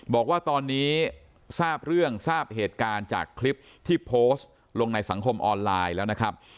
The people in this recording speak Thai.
บอกว่าตอนนี้ทราบเรื่องทราบเหตุการณ์จากคลิปที่โพสต์ลงในสังคมออนไลน์แล้วนะครับ